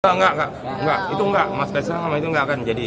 enggak enggak itu enggak mas kaisang sama itu nggak akan jadi